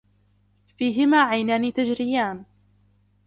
فيهما عينان تجريان